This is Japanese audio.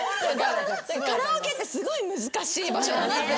カラオケってすごい難しい場所。